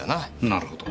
なるほど。